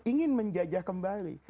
ingin menjajah kembali